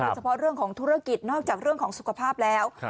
เฉพาะเรื่องของธุรกิจนอกจากเรื่องของสุขภาพแล้ว